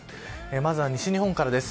まずは西日本からです。